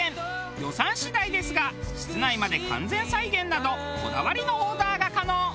予算次第ですが室内まで完全再現などこだわりのオーダーが可能。